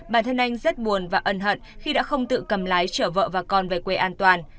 bản thân anh rất buồn và ân hận khi đã không tự cầm lái chở vợ và con về quê an toàn